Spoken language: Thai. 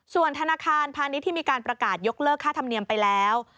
ส่วนธนาคารพาณิชย์ที่มีการประกาศยกเลิกค่าธรรมเนียมไปแล้ว